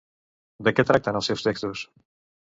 De què tracten els seus textos?